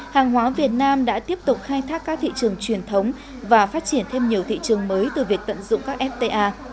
hàng hóa việt nam đã tiếp tục khai thác các thị trường truyền thống và phát triển thêm nhiều thị trường mới từ việc tận dụng các fta